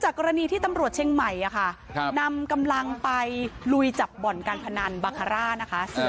จากกรณีที่ตำรวจเชียงใหม่ค่ะนำกำลังไปลุยจับบอดการพนัน